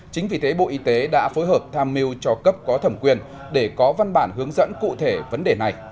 chính vì thế bộ y tế đã phối hợp tham mưu cho cấp có thẩm quyền để có văn bản hướng dẫn cụ thể vấn đề này